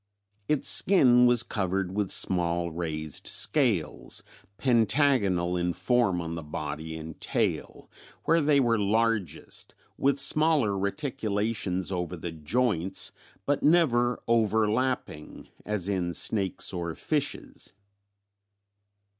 Its skin was covered with small raised scales, pentagonal in form on the body and tail, where they were largest, with smaller reticulations over the joints but never overlapping as in snakes or fishes.